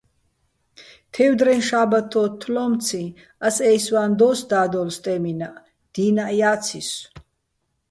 "თეჲვდრეჼ შაბათ" ოთთლო́მციჼ ას აჲსვაჼ დო́ს და́დოლ სტე́მინაჸ, დი́ნაჸ ჲაცისო̆.